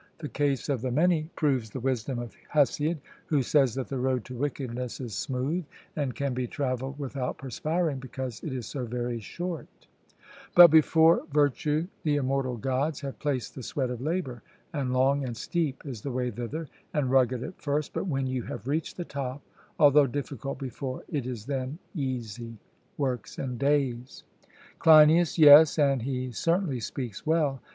The case of the many proves the wisdom of Hesiod, who says that the road to wickedness is smooth and can be travelled without perspiring, because it is so very short: 'But before virtue the immortal Gods have placed the sweat of labour, and long and steep is the way thither, and rugged at first; but when you have reached the top, although difficult before, it is then easy.' (Works and Days.) CLEINIAS: Yes; and he certainly speaks well.